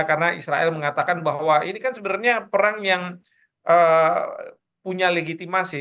karena israel mengatakan bahwa ini kan sebenarnya perang yang punya legitimasi